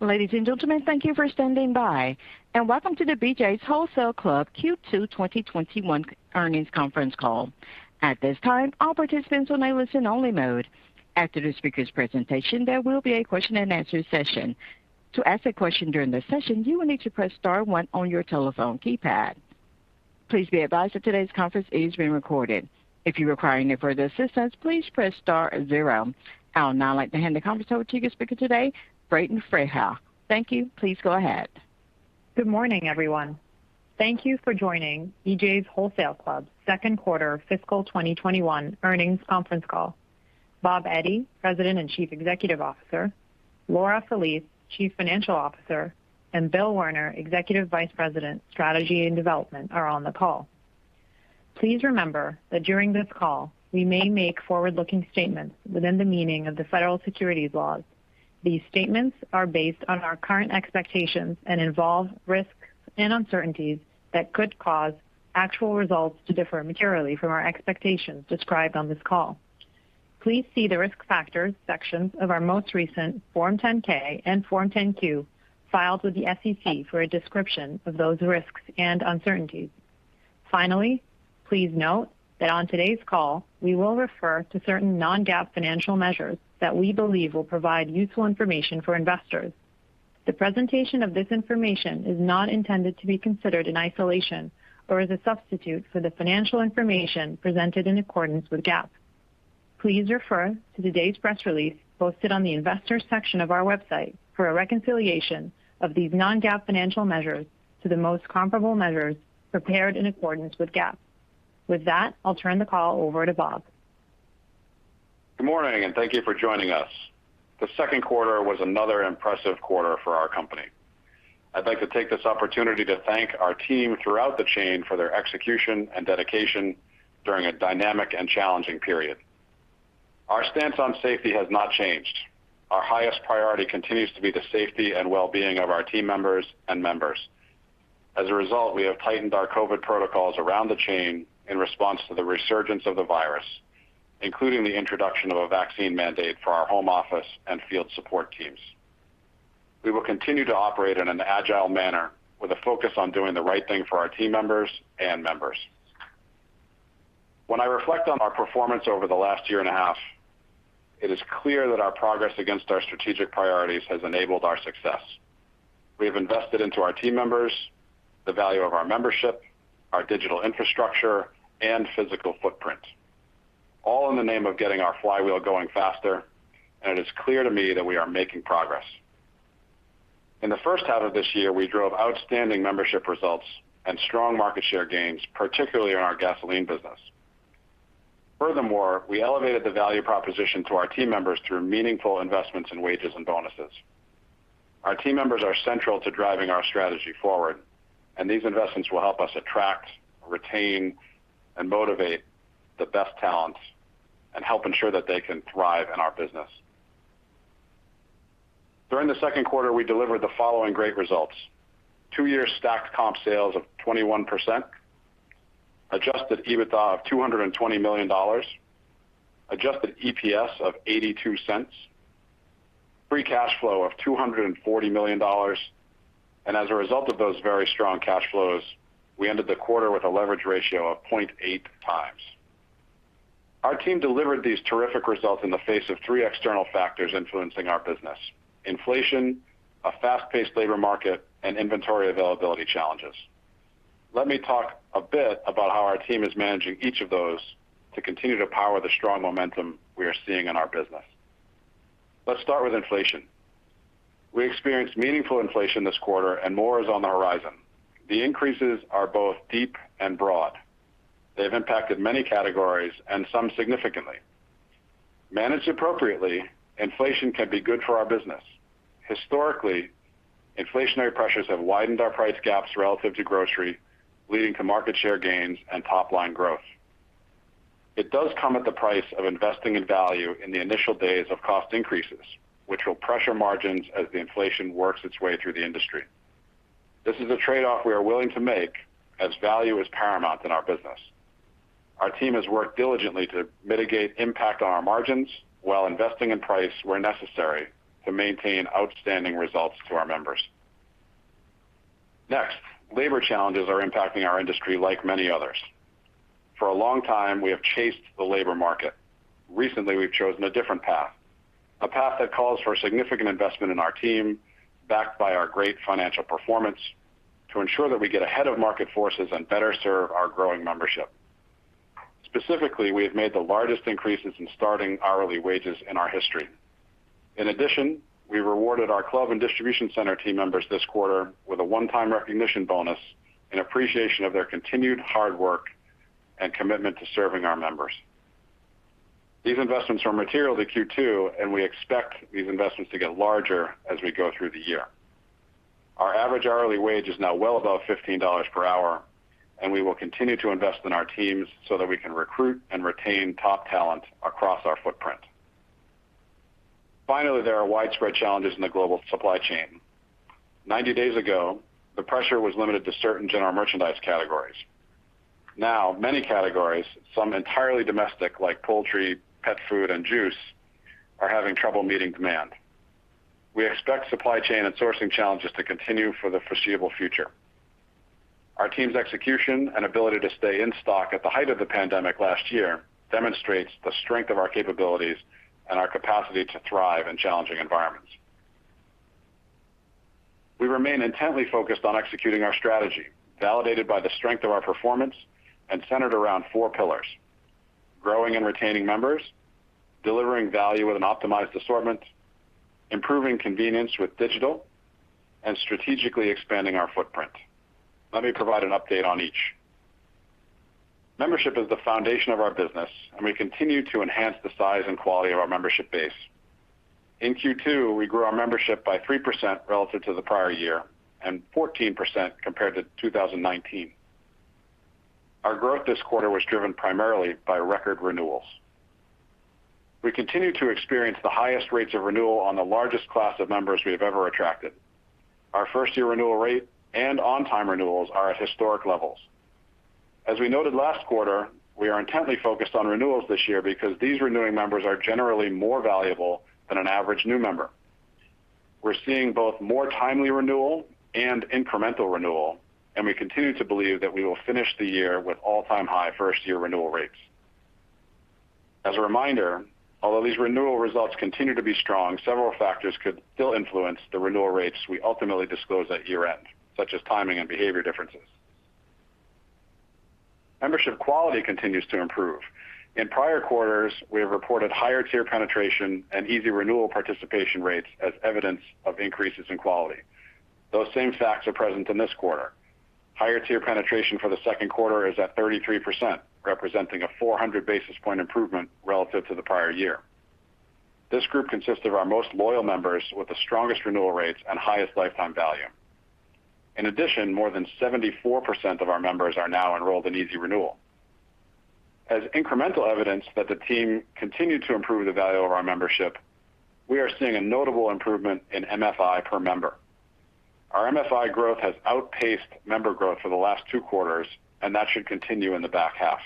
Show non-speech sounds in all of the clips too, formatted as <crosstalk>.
Ladies and gentlemen, thank you for standing by, welcome to the BJ's Wholesale Club Q2 2021 earnings conference call. At this time, all participants are in a listen only mode. After the speakers' presentation, there will be a question and answer session. To ask a question during the session, you will need to press star one on your telephone keypad. Please be advised that today's conference is being recorded. If you require any further assistance please press star zero. I would now like to hand the conference over to your speaker today, Faten Freiha. Thank you. Please go ahead. Good morning, everyone. Thank you for joining BJ's Wholesale Club second quarter fiscal 2021 earnings conference call. Bob Eddy, President and Chief Executive Officer, Laura Felice, Chief Financial Officer, and Bill Werner, Executive Vice President, Strategy and Development, are on the call. Please remember that during this call, we may make forward-looking statements within the meaning of the federal securities laws. These statements are based on our current expectations and involve risks and uncertainties that could cause actual results to differ materially from our expectations described on this call. Please see the Risk Factors sections of our most recent Form 10-K and Form 10-Q filed with the SEC for a description of those risks and uncertainties. Finally, please note that on today's call, we will refer to certain non-GAAP financial measures that we believe will provide useful information for investors. The presentation of this information is not intended to be considered in isolation or as a substitute for the financial information presented in accordance with GAAP. Please refer to today's press release posted on the investors section of our website for a reconciliation of these non-GAAP financial measures to the most comparable measures prepared in accordance with GAAP. With that, I'll turn the call over to Bob. Good morning, and thank you for joining us. The second quarter was another impressive quarter for our company. I'd like to take this opportunity to thank our team throughout the chain for their execution and dedication during a dynamic and challenging period. Our stance on safety has not changed. Our highest priority continues to be the safety and wellbeing of our team members and members. As a result, we have tightened our COVID protocols around the chain in response to the resurgence of the virus, including the introduction of a vaccine mandate for our home office and field support teams. We will continue to operate in an agile manner with a focus on doing the right thing for our team members and members. When I reflect on our performance over the last year and a half, it is clear that our progress against our strategic priorities has enabled our success. We have invested into our team members, the value of our membership, our digital infrastructure, and physical footprint, all in the name of getting our flywheel going faster, and it is clear to me that we are making progress. In the first half of this year, we drove outstanding membership results and strong market share gains, particularly in our gasoline business. Furthermore, we elevated the value proposition to our team members through meaningful investments in wages and bonuses. Our team members are central to driving our strategy forward, and these investments will help us attract, retain, and motivate the best talents and help ensure that they can thrive in our business. During the second quarter, we delivered the following great results. Two-year stacked comp sales of 21%, adjusted EBITDA of $220 million, adjusted EPS of $0.82, free cash flow of $240 million, and as a result of those very strong cash flows, we ended the quarter with a leverage ratio of 0.8x. Our team delivered these terrific results in the face of three external factors influencing our business, inflation, a fast-paced labor market, and inventory availability challenges. Let me talk a bit about how our team is managing each of those to continue to power the strong momentum we are seeing in our business. Let's start with inflation. We experienced meaningful inflation this quarter, and more is on the horizon. The increases are both deep and broad. They've impacted many categories, and some significantly. Managed appropriately, inflation can be good for our business. Historically, inflationary pressures have widened our price gaps relative to grocery, leading to market share gains and top-line growth. It does come at the price of investing in value in the initial days of cost increases, which will pressure margins as the inflation works its way through the industry. This is a trade-off we are willing to make, as value is paramount in our business. Our team has worked diligently to mitigate impact on our margins while investing in price where necessary to maintain outstanding results to our members. Next, labor challenges are impacting our industry like many others. For a long time, we have chased the labor market. Recently, we've chosen a different path, a path that calls for significant investment in our team, backed by our great financial performance, to ensure that we get ahead of market forces and better serve our growing membership. Specifically, we have made the largest increases in starting hourly wages in our history. In addition, we rewarded our club and distribution center team members this quarter with a one-time recognition bonus in appreciation of their continued hard work and commitment to serving our members. These investments were material to Q2, and we expect these investments to get larger as we go through the year. Our average hourly wage is now well above $15 per hour, and we will continue to invest in our teams so that we can recruit and retain top talent across our footprint. Finally, there are widespread challenges in the global supply chain. 90 days ago, the pressure was limited to certain general merchandise categories. Now many categories, some entirely domestic, like poultry, pet food, and juice, are having trouble meeting demand. We expect supply chain and sourcing challenges to continue for the foreseeable future. Our team's execution and ability to stay in stock at the height of the pandemic last year demonstrates the strength of our capabilities and our capacity to thrive in challenging environments. We remain intently focused on executing our strategy, validated by the strength of our performance and centered around four pillars, growing and retaining members, delivering value with an optimized assortment, improving convenience with digital, and strategically expanding our footprint. Let me provide an update on each. Membership is the foundation of our business, and we continue to enhance the size and quality of our membership base. In Q2, we grew our membership by 3% relative to the prior year, and 14% compared to 2019. Our growth this quarter was driven primarily by record renewals. We continue to experience the highest rates of renewal on the largest class of members we have ever attracted. Our first-year renewal rate and on-time renewals are at historic levels. As we noted last quarter, we are intently focused on renewals this year because these renewing members are generally more valuable than an average new member. We're seeing both more timely renewal and incremental renewal. We continue to believe that we will finish the year with all-time high first-year renewal rates. As a reminder, although these renewal results continue to be strong, several factors could still influence the renewal rates we ultimately disclose at year-end, such as timing and behavior differences. Membership quality continues to improve. In prior quarters, we have reported higher tier penetration and Easy Renewal participation rates as evidence of increases in quality. Those same facts are present in this quarter. Higher tier penetration for the second quarter is at 33%, representing a 400 basis point improvement relative to the prior year. This group consists of our most loyal members with the strongest renewal rates and highest lifetime value. In addition, more than 74% of our members are now enrolled in Easy Renewal. As incremental evidence that the team continued to improve the value of our membership, we are seeing a notable improvement in MFI per member. Our MFI growth has outpaced member growth for the last two quarters, and that should continue in the back half.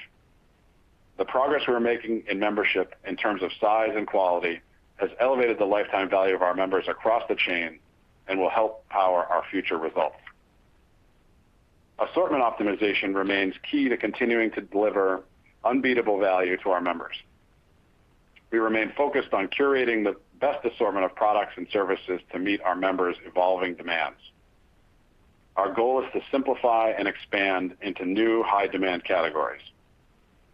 The progress we're making in membership in terms of size and quality has elevated the lifetime value of our members across the chain and will help power our future results. Assortment optimization remains key to continuing to deliver unbeatable value to our members. We remain focused on curating the best assortment of products and services to meet our members' evolving demands. Our goal is to simplify and expand into new high-demand categories.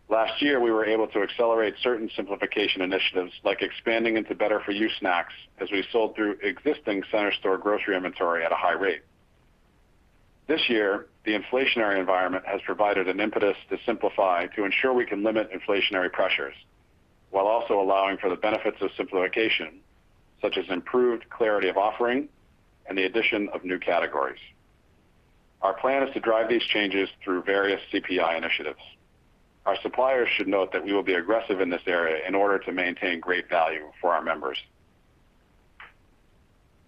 Last year, we were able to accelerate certain simplification initiatives, like expanding into better-for-you snacks, as we sold through existing center store grocery inventory at a high rate. This year, the inflationary environment has provided an impetus to simplify to ensure we can limit inflationary pressures while also allowing for the benefits of simplification, such as improved clarity of offering and the addition of new categories. Our plan is to drive these changes through various CPI initiatives. Our suppliers should note that we will be aggressive in this area in order to maintain great value for our members.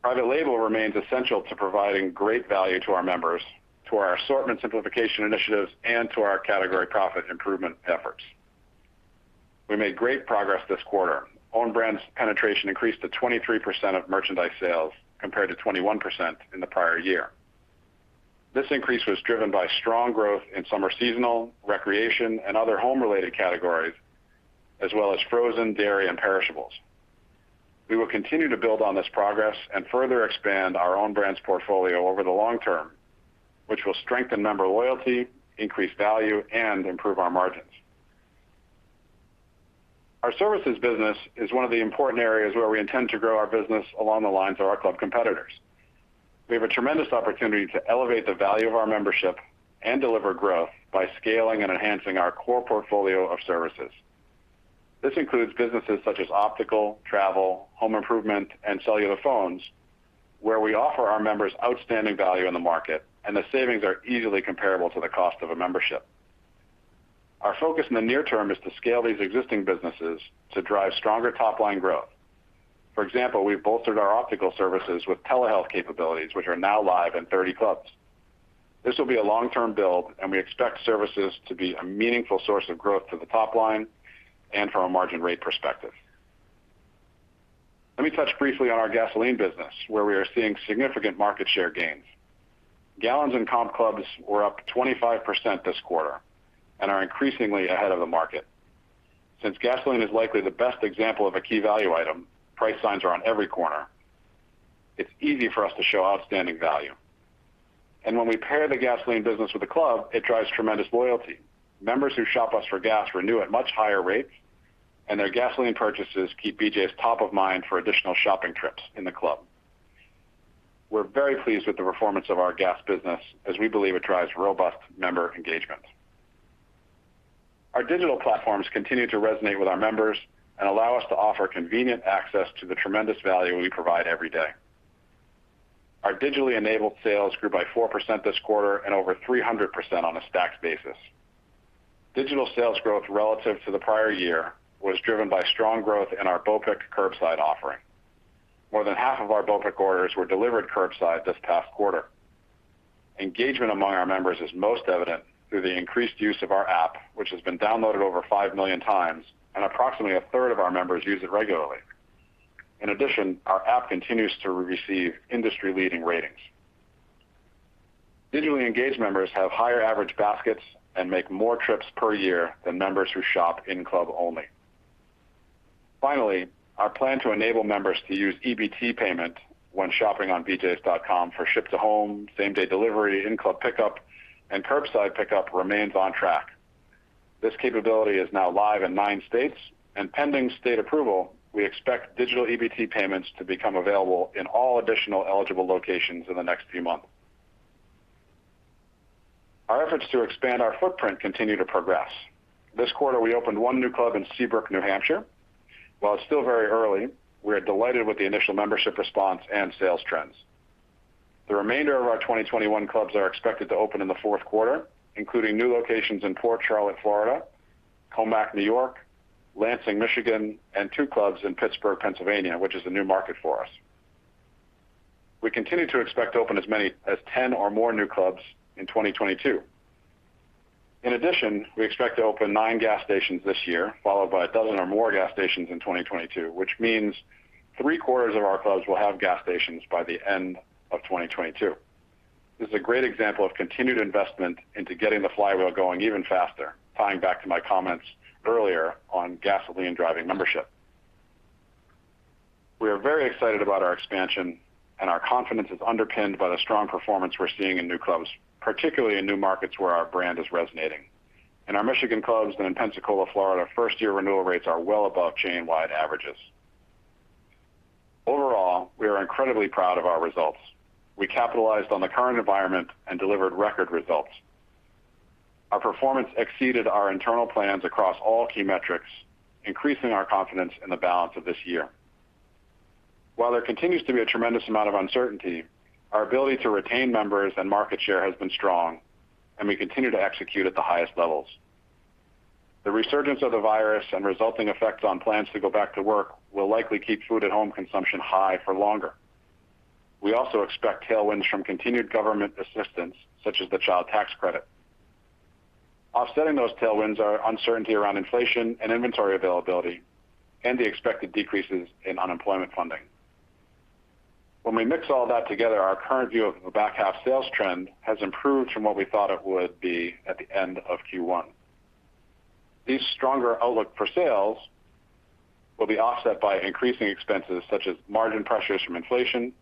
Private label remains essential to providing great value to our members, to our assortment simplification initiatives, and to our category profit improvement efforts. We made great progress this quarter. Own brands penetration increased to 23% of merchandise sales, compared to 21% in the prior year. This increase was driven by strong growth in summer seasonal, recreation, and other home-related categories, as well as frozen, dairy, and perishables. We will continue to build on this progress and further expand our own brands portfolio over the long term, which will strengthen member loyalty, increase value, and improve our margins. Our services business is one of the important areas where we intend to grow our business along the lines of our club competitors. We have a tremendous opportunity to elevate the value of our membership and deliver growth by scaling and enhancing our core portfolio of services. This includes businesses such as optical, travel, home improvement, and cellular phones, where we offer our members outstanding value in the market, and the savings are easily comparable to the cost of a membership. Our focus in the near term is to scale these existing businesses to drive stronger top-line growth. For example, we've bolstered our optical services with telehealth capabilities, which are now live in 30 clubs. This will be a long-term build, and we expect services to be a meaningful source of growth to the top line and from a margin rate perspective. Let me touch briefly on our gasoline business, where we are seeing significant market share gains. Gallons in comp clubs were up 25% this quarter and are increasingly ahead of the market. Since gasoline is likely the best example of a key value item, price signs are on every corner, it's easy for us to show outstanding value. When we pair the gasoline business with the club, it drives tremendous loyalty. Members who shop us for gas renew at much higher rates, and their gasoline purchases keep BJ's top of mind for additional shopping trips in the club. We're very pleased with the performance of our gas business as we believe it drives robust member engagement. Our digital platforms continue to resonate with our members and allow us to offer convenient access to the tremendous value we provide every day. Our digitally enabled sales grew by 4% this quarter and over 300% on a stacked basis. Digital sales growth relative to the prior year was driven by strong growth in our BOPIC curbside offering. More than half of our BOPIC orders were delivered curbside this past quarter. Engagement among our members is most evident through the increased use of our app, which has been downloaded over 5 million times, and approximately a third of our members use it regularly. In addition, our app continues to receive industry-leading ratings. Digitally engaged members have higher average baskets and make more trips per year than members who shop in-club only. Finally, our plan to enable members to use EBT payment when shopping on BJs.com for ship to home, same-day delivery, in-club pickup, and curbside pickup remains on track. This capability is now live in nine states, and pending state approval, we expect digital EBT payments to become available in all additional eligible locations in the next few months. Our efforts to expand our footprint continue to progress. This quarter, we opened one new club in Seabrook, New Hampshire. While it's still very early, we are delighted with the initial membership response and sales trends. The remainder of our 2021 clubs are expected to open in the fourth quarter, including new locations in Port Charlotte, Florida, Commack, New York, Lansing, Michigan, and two clubs in Pittsburgh, Pennsylvania, which is a new market for us. We continue to expect to open as many as 10 or more new clubs in 2022. In addition, we expect to open nine gas stations this year, followed by 12 or more gas stations in 2022, which means 3/4 of our clubs will have gas stations by the end of 2022. This is a great example of continued investment into getting the flywheel going even faster, tying back to my comments earlier on gasoline driving membership. We are very excited about our expansion, and our confidence is underpinned by the strong performance we're seeing in new clubs, particularly in new markets where our brand is resonating. In our Michigan clubs and in Pensacola, Florida, first-year renewal rates are well above chain-wide averages. Overall, we are incredibly proud of our results. We capitalized on the current environment and delivered record results. Our performance exceeded our internal plans across all key metrics, increasing our confidence in the balance of this year. While there continues to be a tremendous amount of uncertainty, our ability to retain members and market share has been strong, and we continue to execute at the highest levels. The resurgence of the virus and resulting effects on plans to go back to work will likely keep food-at-home consumption high for longer. We also expect tailwinds from continued government assistance, such as the Child Tax Credit. Offsetting those tailwinds are uncertainty around inflation and inventory availability and the expected decreases in unemployment funding. When we mix all that together, our current view of the back half sales trend has improved from what we thought it would be at the end of Q1. This stronger outlook for sales will be offset by increasing expenses such as margin pressures from inflation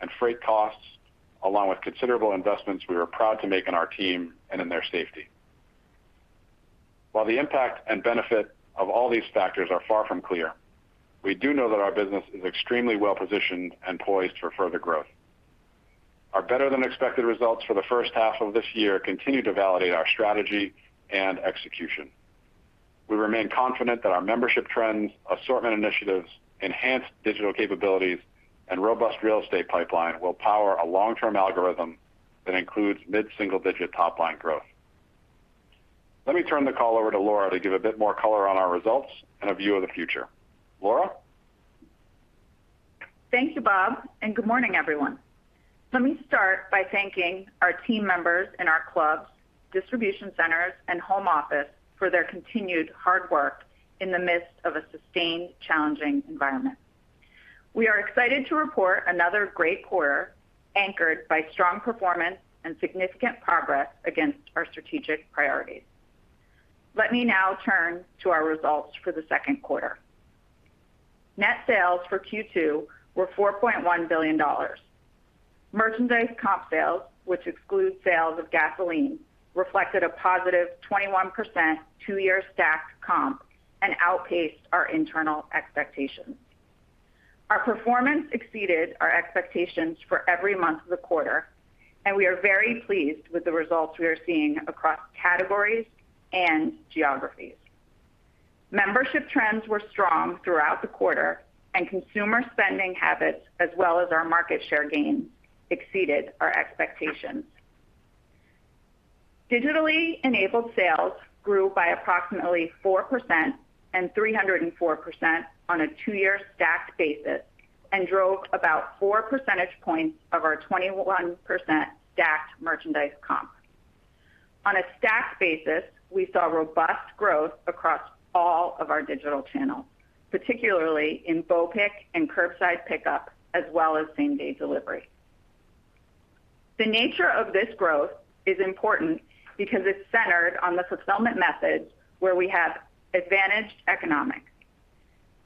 and freight costs, along with considerable investments we are proud to make in our team and in their safety. While the impact and benefit of all these factors are far from clear, we do know that our business is extremely well-positioned and poised for further growth. Our better-than-expected results for the first half of this year continue to validate our strategy and execution. We remain confident that our membership trends, assortment initiatives, enhanced digital capabilities, and robust real estate pipeline will power a long-term algorithm that includes mid-single-digit top-line growth. Let me turn the call over to Laura to give a bit more color on our results and a view of the future. Laura? Thank you, Bob, Good morning, everyone. Let me start by thanking our team members in our clubs, distribution centers, and home office for their continued hard work in the midst of a sustained, challenging environment. We are excited to report another great quarter, anchored by strong performance and significant progress against our strategic priorities. Let me now turn to our results for the second quarter. Net sales for Q2 were $4.1 billion. Merchandise comp sales, which excludes sales of gasoline, reflected a +21% two-year stacked comp and outpaced our internal expectations. Our performance exceeded our expectations for every month of the quarter, and we are very pleased with the results we are seeing across categories and geographies. Membership trends were strong throughout the quarter, and consumer spending habits as well as our market share gains exceeded our expectations. Digitally enabled sales grew by approximately 4% and 304% on a two-year stacked basis and drove about 4 percentage points of our 21% stacked merchandise comp. On a stacked basis, we saw robust growth across all of our digital channels, particularly in BOPIC and curbside pickup as well as same-day delivery. The nature of this growth is important because it's centered on the fulfillment methods where we have advantaged economics.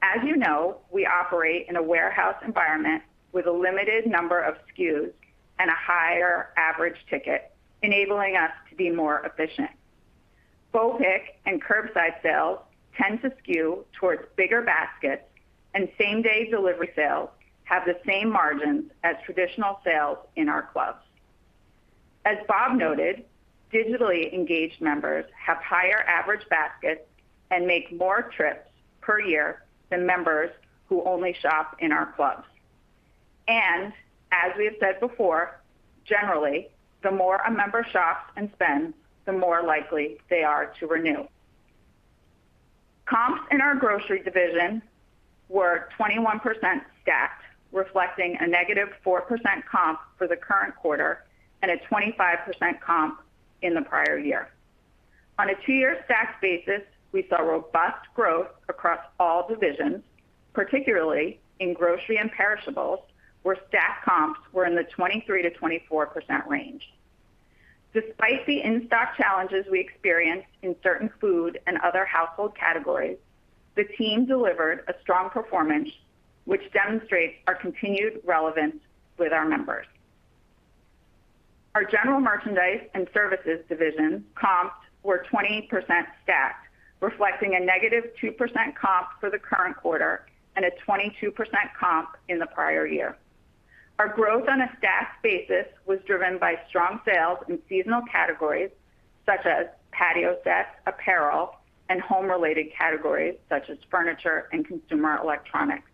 As you know, we operate in a warehouse environment with a limited number of SKUs and a higher average ticket, enabling us to be more efficient. BOPIC and curbside sales tend to skew towards bigger baskets, and same-day delivery sales have the same margins as traditional sales in our clubs. As Bob noted, digitally engaged members have higher average baskets and make more trips per year than members who only shop in our clubs. As we have said before, generally, the more a member shops and spends, the more likely they are to renew. Comps in our grocery division were 21% stacked, reflecting a -4% comp for the current quarter and a 25% comp in the prior year. On a two-year stacked basis, we saw robust growth across all divisions, particularly in grocery and perishables, where stacked comps were in the 23%-24% range. Despite the in-stock challenges we experienced in certain food and other household categories, the team delivered a strong performance, which demonstrates our continued relevance with our members. Our general merchandise and services division comps were 20% stacked, reflecting a -2% comp for the current quarter and a 22% comp in the prior year. Our growth on a stacked basis was driven by strong sales in seasonal categories such as patio sets, apparel, and home-related categories such as furniture and consumer electronics.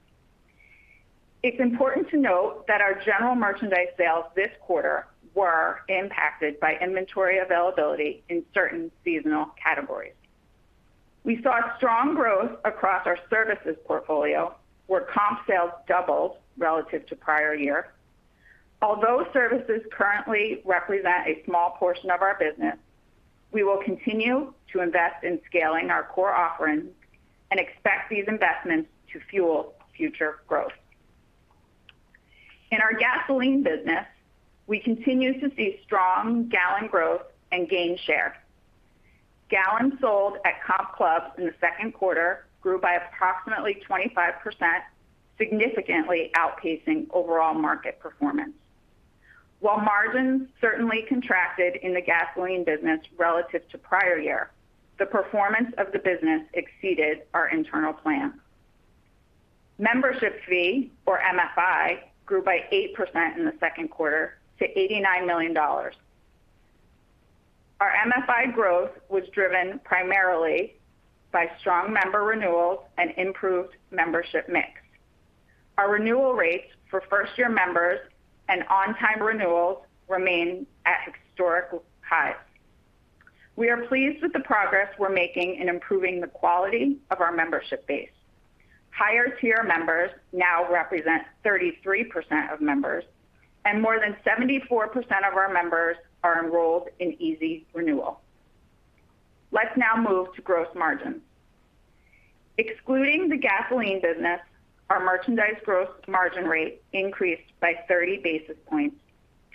It's important to note that our general merchandise sales this quarter were impacted by inventory availability in certain seasonal categories. We saw strong growth across our services portfolio, where comp sales doubled relative to prior year. Although services currently represent a small portion of our business, we will continue to invest in scaling our core offerings and expect these investments to fuel future growth. In our gasoline business, we continue to see strong gallon growth and gain share. Gallons sold at comp clubs in the second quarter grew by approximately 25%, significantly outpacing overall market performance. While margins certainly contracted in the gasoline business relative to prior year, the performance of the business exceeded our internal plans. Membership fee, or MFI, grew by 8% in the second quarter to $89 million. Our MFI growth was driven primarily by strong member renewals and improved membership mix. Our renewal rates for first-year members and on-time renewals remain at historic highs. We are pleased with the progress we're making in improving the quality of our membership base. Higher-tier members now represent 33% of members, and more than 74% of our members are enrolled in Easy Renewal. Let's now move to gross margins. Excluding the gasoline business, our merchandise gross margin rate increased by 30 basis points,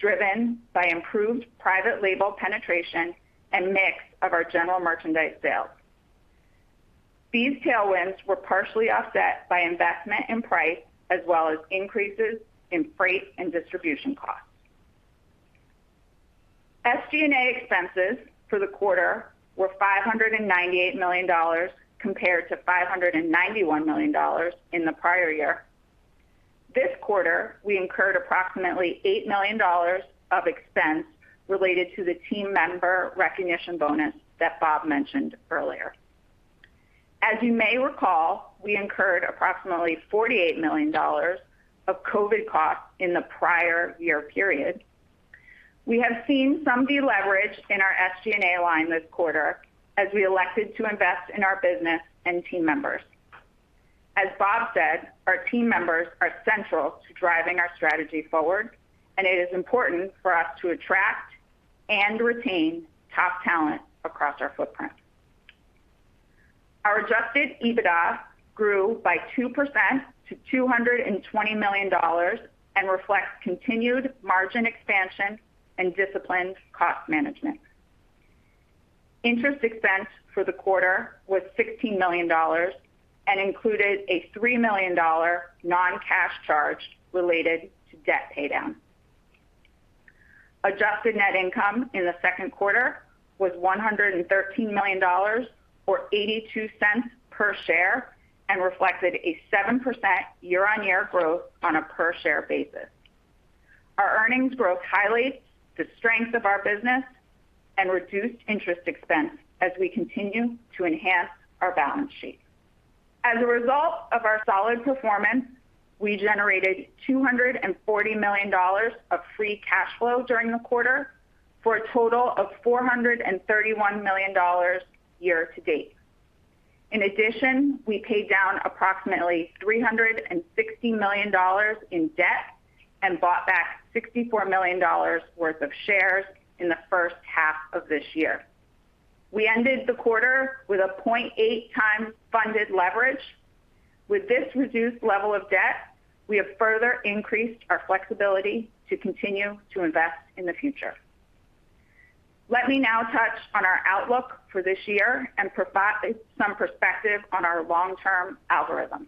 driven by improved private label penetration and mix of our general merchandise sales. These tailwinds were partially offset by investment in price as well as increases in freight and distribution costs. SG&A expenses for the quarter were $598 million compared to $591 million in the prior year. This quarter, we incurred approximately $8 million of expense related to the team member recognition bonus that Bob mentioned earlier. As you may recall, we incurred approximately $48 million of COVID costs in the prior year period. We have seen some deleverage in our SG&A line this quarter as we elected to invest in our business and team members. As Bob said, our team members are central to driving our strategy forward, and it is important for us to attract and retain top talent across our footprint. Our adjusted EBITDA grew by 2% to $220 million and reflects continued margin expansion and disciplined cost management. Interest expense for the quarter was $16 million and included a $3 million non-cash charge related to debt paydown. Adjusted net income in the second quarter was $113 million, or $0.82 per share, and reflected a 7% year-on-year growth on a per-share basis. Our earnings growth highlights the strength of our business and reduced interest expense as we continue to enhance our balance sheet. As a result of our solid performance, we generated $240 million of free cash flow during the quarter for a total of $431 million year to date. In addition, we paid down approximately $360 million in debt and bought back $64 million worth of shares in the first half of this year. We ended the quarter with a 0.8x funded leverage. With this reduced level of debt, we have further increased our flexibility to continue to invest in the future. Let me now touch on our outlook for this year and provide some perspective on our long-term algorithm.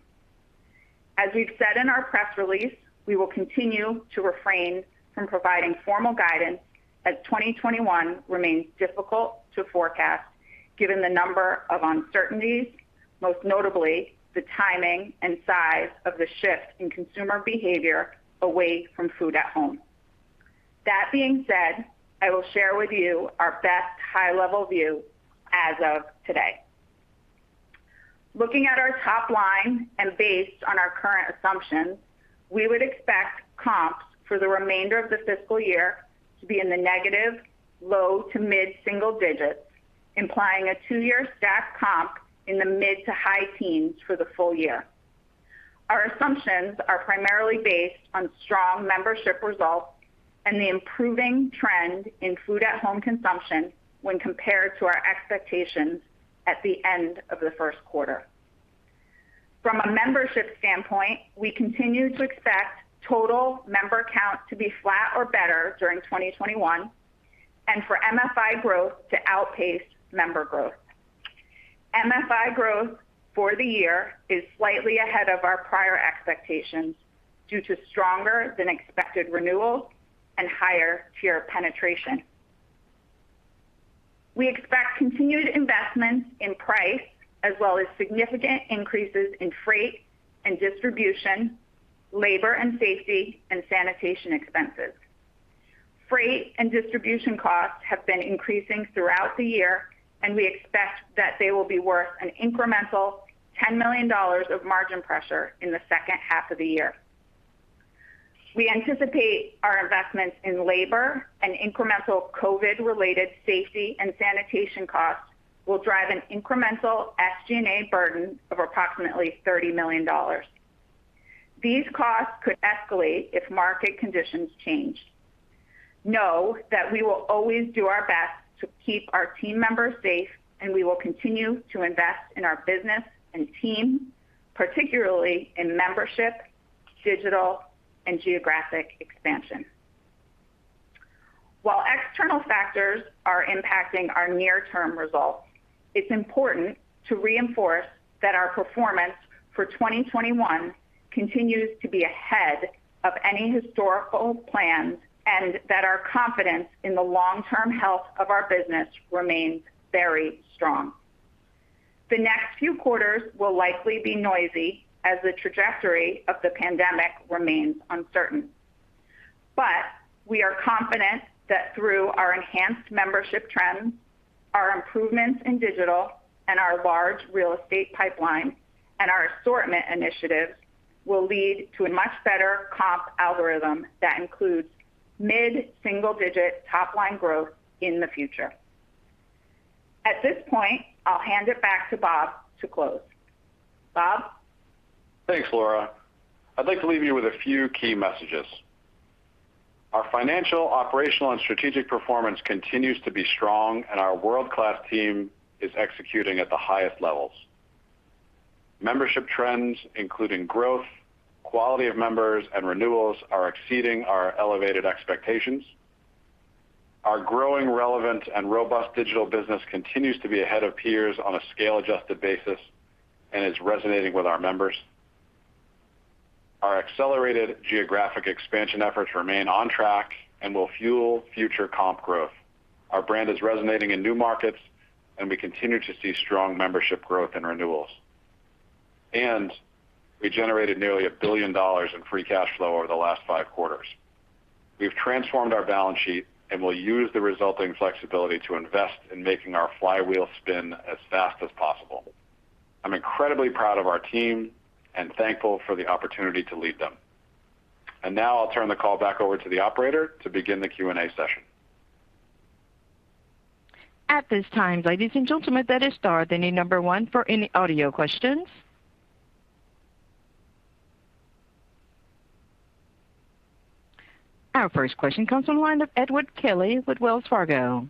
As we've said in our press release, we will continue to refrain from providing formal guidance as 2021 remains difficult to forecast given the number of uncertainties, most notably the timing and size of the shift in consumer behavior away from food at home. That being said, I will share with you our best high-level view as of today. Looking at our top line and based on our current assumptions, we would expect comps for the remainder of the fiscal year to be in the negative low to mid single digits, implying a two-year stacked comp in the mid to high teens for the full year. Our assumptions are primarily based on strong membership results and the improving trend in food-at-home consumption when compared to our expectations at the end of the first quarter. From a membership standpoint, we continue to expect total member count to be flat or better during 2021, and for MFI growth to outpace member growth. MFI growth for the year is slightly ahead of our prior expectations due to stronger than expected renewals and higher tier penetration. We expect continued investments in price as well as significant increases in freight and distribution, labor and safety, and sanitation expenses. Freight and distribution costs have been increasing throughout the year, and we expect that they will be worth an incremental $10 million of margin pressure in the second half of the year. We anticipate our investments in labor and incremental COVID related safety and sanitation costs will drive an incremental SG&A burden of approximately $30 million. These costs could escalate if market conditions change. Know that we will always do our best to keep our team members safe, and we will continue to invest in our business and team, particularly in membership, digital, and geographic expansion. While external factors are impacting our near-term results, it's important to reinforce that our performance for 2021 continues to be ahead of any historical plans, and that our confidence in the long-term health of our business remains very strong. The next few quarters will likely be noisy as the trajectory of the pandemic remains uncertain. We are confident that through our enhanced membership trends, our improvements in digital, and our large real estate pipeline, and our assortment initiatives will lead to a much better comp algorithm that includes mid-single-digit top-line growth in the future. At this point, I'll hand it back to Bob to close. Bob? Thanks, Laura. I'd like to leave you with a few key messages. Our financial, operational, and strategic performance continues to be strong. Our world-class team is executing at the highest levels. Membership trends, including growth, quality of members, and renewals, are exceeding our elevated expectations. Our growing relevant and robust digital business continues to be ahead of peers on a scale adjusted basis and is resonating with our members. Our accelerated geographic expansion efforts remain on track and will fuel future comp growth. Our brand is resonating in new markets. We continue to see strong membership growth and renewals. We generated nearly $1 billion in free cash flow over the last five quarters. We've transformed our balance sheet and will use the resulting flexibility to invest in making our flywheel spin as fast as possible. I'm incredibly proud of our team and thankful for the opportunity to lead them. Now I'll turn the call back over to the operator to begin the Q&A session. At this time, ladies and gentlemen, that is star, the new number one for any audio questions. Our first question comes from the line of Edward Kelly with Wells Fargo.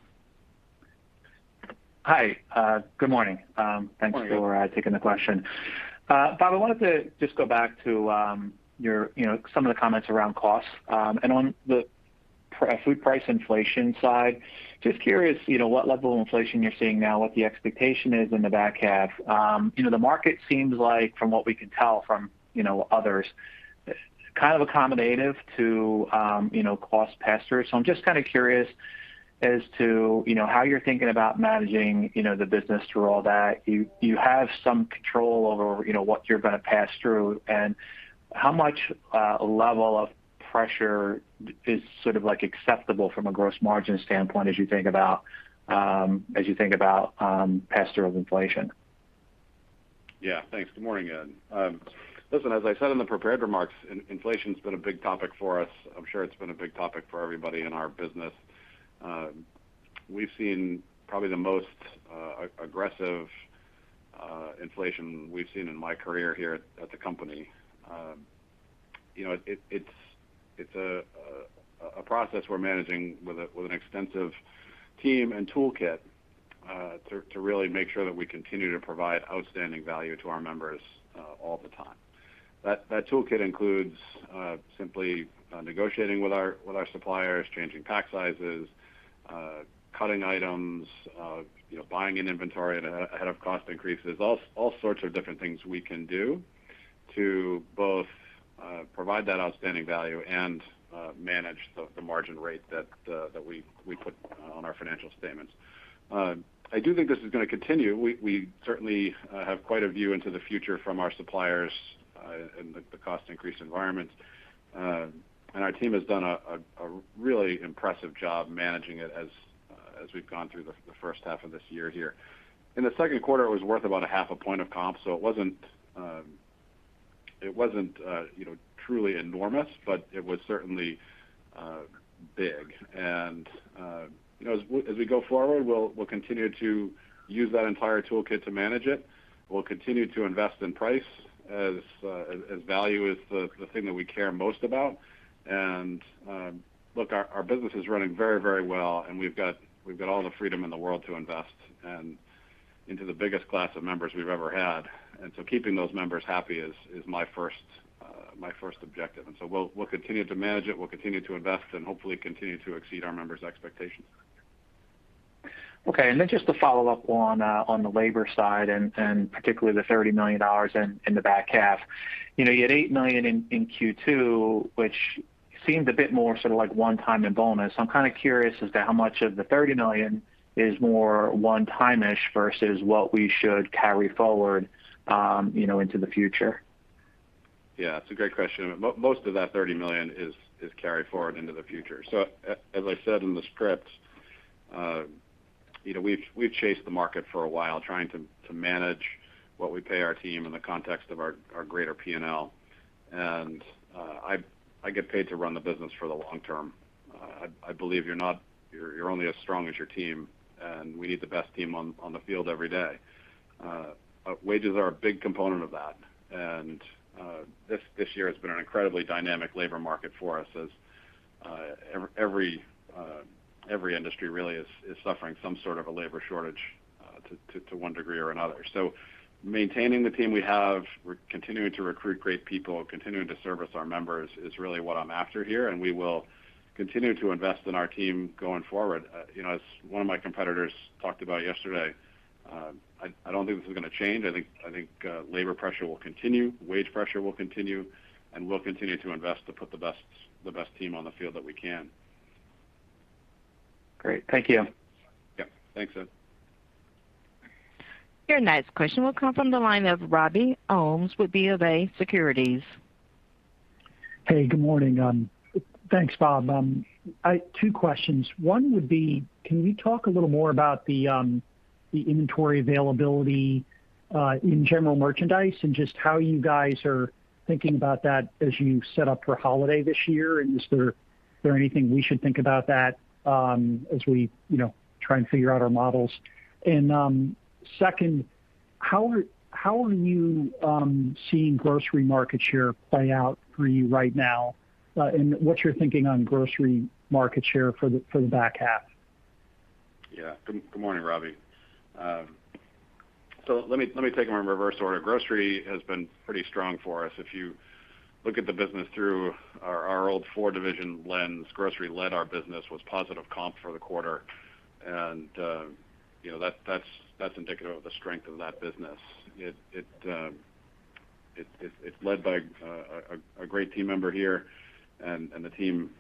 Hi, good morning. Morning. Thanks for taking the question. Bob, I wanted to just go back to some of the comments around costs. On the food price inflation side, just curious, what level of inflation you're seeing now, what the expectation is in the back half. The market seems like from what we can tell from others, kind of accommodative to cost pass-through. I'm just kind of curious as to how you're thinking about managing the business through all that. You have some control over what you're going to pass through. How much a level of pressure is sort of acceptable from a gross margin standpoint as you think about pass-through of inflation? Yeah. Thanks. Good morning, Ed. Listen, as I said in the prepared remarks, inflation's been a big topic for us. I'm sure it's been a big topic for everybody in our business. We've seen probably the most aggressive inflation we've seen in my career here at the company. It's a process we're managing with an extensive team and toolkit, to really make sure that we continue to provide outstanding value to our members all the time. That toolkit includes simply negotiating with our suppliers, changing pack sizes, cutting items, buying in inventory ahead of cost increases. All sorts of different things we can do to both provide that outstanding value and manage the margin rate that we put on our financial statements. I do think this is going to continue. We certainly have quite a view into the future from our suppliers, in the cost increase environments. Our team has done a really impressive job managing it as we've gone through the first half of this year here. In the second quarter, it was worth about 0.5 point of comp, so it wasn't truly enormous, but it was certainly big. As we go forward, we'll continue to use that entire toolkit to manage it. We'll continue to invest in price as value is the thing that we care most about. Look, our business is running very well, and we've got all the freedom in the world to invest into the biggest class of members we've ever had. Keeping those members happy is my first objective. We'll continue to manage it, we'll continue to invest, and hopefully continue to exceed our members' expectations. Okay. Just to follow up on the labor side and particularly the $30 million in the back half. You had $8 million in Q2, which seemed a bit more sort of like one-time in bonus. I'm kind of curious as to how much of the $30 million is more one-time-ish versus what we should carry forward into the future. It's a great question. Most of that $30 million is carry forward into the future. As I said in the script, we've chased the market for a while trying to manage what we pay our team in the context of our greater P&L. I get paid to run the business for the long term. I believe you're only as strong as your team, and we need the best team on the field every day. Wages are a big component of that, and this year has been an incredibly dynamic labor market for us as every industry really is suffering some sort of a labor shortage to one degree or another. Maintaining the team we have, we're continuing to recruit great people, continuing to service our members is really what I'm after here, and we will continue to invest in our team going forward. As one of my competitors talked about yesterday, I don't think this is going to change. I think labor pressure will continue, wage pressure will continue, and we'll continue to invest to put the best team on the field that we can. Great. Thank you. Yep. Thanks, Ed. Your next question will come from the line of Robby Ohmes with BofA Securities. Hey, good morning. Thanks, Bob. Two questions. One would be, can we talk a little more about the inventory availability in general merchandise and just how you guys are thinking about that as you set up for holiday this year? Is there anything we should think about that as we try and figure out our models? Second, how are you seeing grocery market share play out for you right now? What's your thinking on grocery market share for the back half? Yeah. Good morning, Robby. Let me take them in reverse order. Grocery has been pretty strong for us. If you look at the business through our old four-division lens, grocery led our business, was positive comp for the quarter, and that's indicative of the strength of that business. It's led by a great team member here, and the team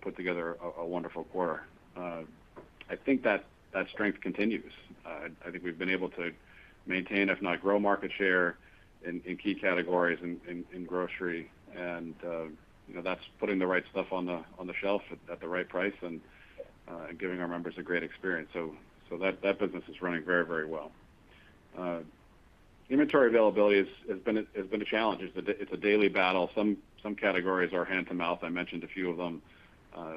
put together a wonderful quarter. I think that strength continues. I think we've been able to maintain, if not grow market share in key categories in grocery, and that's putting the right stuff on the shelf at the right price and giving our members a great experience. That business is running very well. Inventory availability has been a challenge. It's a daily battle. Some categories are hand to mouth. I mentioned a few of them.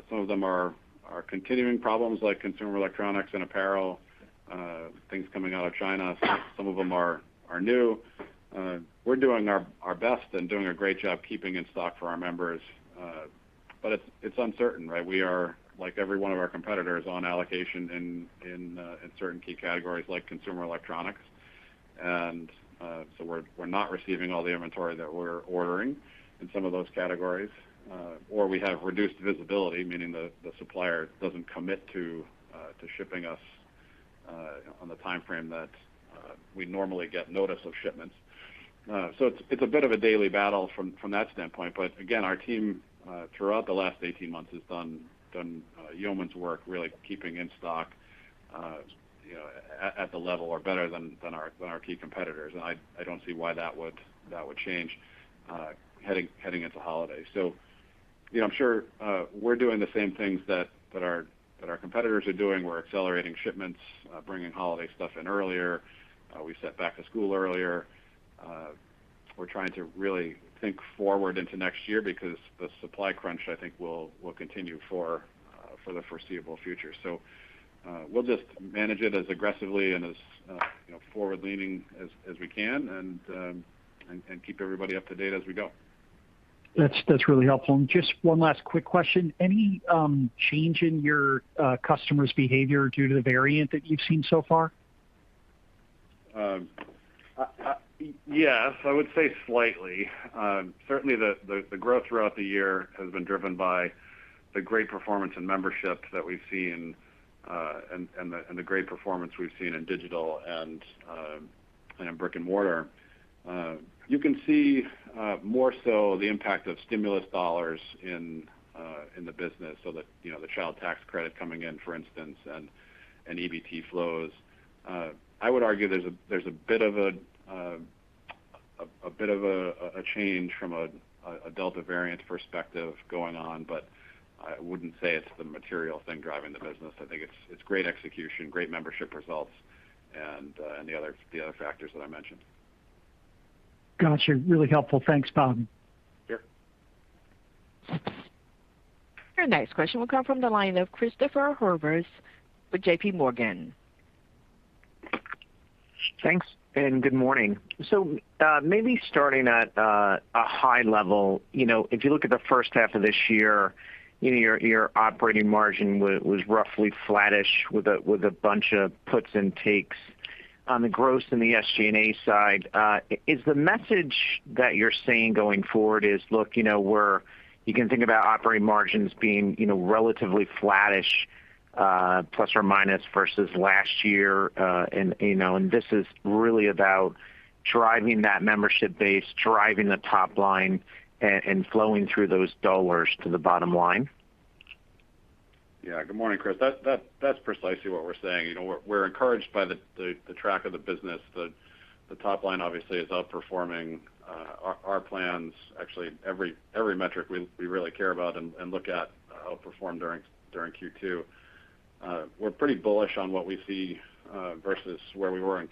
Some of them are continuing problems like consumer electronics and apparel, things coming out of China. Some of them are new. We're doing our best and doing a great job keeping in stock for our members. It's uncertain, right? We are, like every one of our competitors, on allocation in certain key categories like consumer electronics. We're not receiving all the inventory that we're ordering in some of those categories. We have reduced visibility, meaning the supplier doesn't commit to shipping us on the timeframe that we normally get notice of shipments. It's a bit of a daily battle from that standpoint. Again, our team, throughout the last 18 months, has done yeoman's work really keeping in stock at the level or better than our key competitors. I don't see why that would change heading into holiday. I'm sure we're doing the same things that our competitors are doing. We're accelerating shipments, bringing holiday stuff in earlier. We set back to school earlier. We're trying to really think forward into next year because the supply crunch, I think will continue for the foreseeable future. We'll just manage it as aggressively and as forward-leaning as we can and keep everybody up to date as we go. That's really helpful. Just one last quick question. Any change in your customers' behavior due to the variant that you've seen so far? Yes, I would say slightly. Certainly, the growth throughout the year has been driven by the great performance in membership that we've seen and the great performance we've seen in digital and in brick and mortar. You can see more so the impact of stimulus dollars in the business, so the Child Tax Credit coming in, for instance, and EBT flows. I would argue there's a bit of a change from a Delta variant perspective going on, but I wouldn't say it's the material thing driving the business. I think it's great execution, great membership results, and the other factors that I mentioned. Got you. Really helpful. Thanks, Bob. Sure. Your next question will come from the line of Christopher Horvers with JPMorgan. Thanks, good morning. Maybe starting at a high level. If you look at the first half of this year, your operating margin was roughly flattish with a bunch of puts and takes on the gross and the SG&A side. Is the message that you're saying going forward is, look, you can think about operating margins being relatively flattish, plus or minus, versus last year, and this is really about driving that membership base, driving the top line, and flowing through those dollars to the bottom line? Yeah. Good morning, Christopher. That's precisely what we're saying. We're encouraged by the track of the business. The top line, obviously, is outperforming our plans. Actually, every metric we really care about and look at outperformed during Q2. We're pretty bullish on what we see versus where we were in